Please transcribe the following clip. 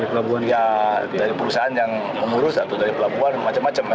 iya dari perusahaan yang mengurus dari pelabuhan macam macam